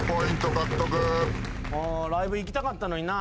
ライブ行きたかったのにな。